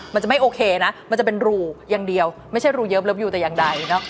มันจะไม่โอเคนะมันจะเป็นรูอย่างเดียวไม่ใช่รูเยิบอยู่แต่อย่างใดเนอะ